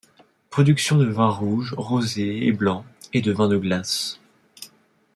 Production de vins rouges, rosés et blancs, et de vins de glace.